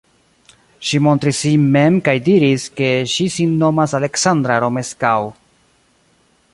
Ŝi montris sin mem kaj diris, ke ŝi sin nomas Aleksandra Romeskaŭ.